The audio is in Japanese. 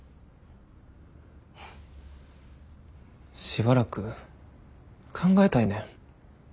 しばらく考えたいねん。